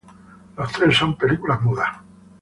Las tres son películas mudas.